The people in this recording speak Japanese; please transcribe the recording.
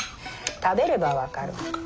食べれば分かる。